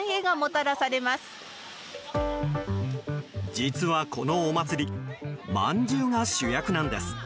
実は、このお祭りまんじゅうが主役なんです。